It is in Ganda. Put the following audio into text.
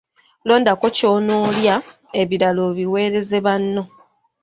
Londako ky'onaalya ebirala obiweereze banno.